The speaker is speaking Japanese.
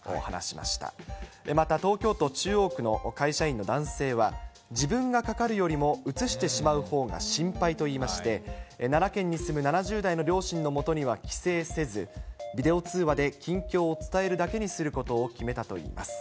また東京都中央区の会社員の男性は、自分がかかるよりも、うつしてしまうほうが心配と言いまして、奈良県に住む７０代の両親のもとには帰省せず、ビデオ通話で近況を伝えるだけにすることを決めたといいます。